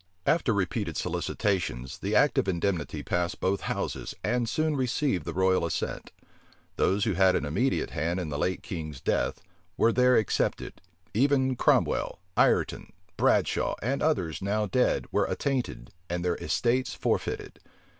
After repeated solicitations, the act of indemnity passed both houses, and soon received the royal assent. Those who had an immediate hand in the late king's death, were there excepted: even Cromwell, Ireton, Bradshaw, and others now dead, were attainted, and their estates forfeited.